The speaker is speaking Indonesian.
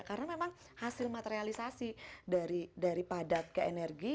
karena memang hasil materialisasi dari padat ke energi